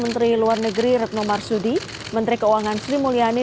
menteri luar negeri retno marsudi menteri keuangan sri mulyani